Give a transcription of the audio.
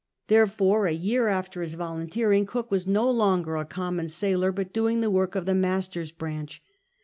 Therefore, a year after his volunteering, Cook was no longer a common sailor, but doing the work of the master's branch.